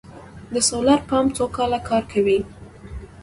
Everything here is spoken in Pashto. د سولر پمپ څو کاله کار کوي؟